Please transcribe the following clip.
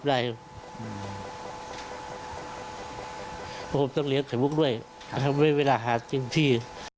เพราะผมต้องเลี้ยงไข่มุกด้วยทำให้เวลาหากินที่